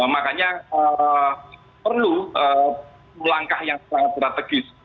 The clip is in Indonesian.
makanya perlu langkah yang sangat strategis